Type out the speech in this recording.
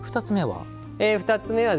２つ目は？